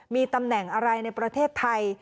มีตำแหน่งอะไรในประเทศไทย